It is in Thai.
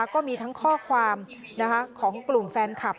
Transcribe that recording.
ก็มีทั้งข้อความของกลุ่มแฟนคลับ